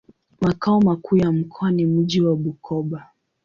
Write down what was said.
Makao makuu ya mkoa ni mji wa Bukoba.